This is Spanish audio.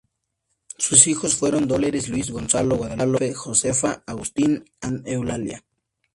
Sus hijos fueron Dolores, Luis, Gonzalo, Guadalupe, Josefa, Agustín, and Eulalia.